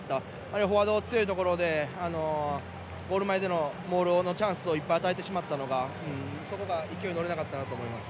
フォワードの強いところでゴール前でのモールのチャンスをいっぱい与えてしまったのがそこが勢いに乗れなかったと思います。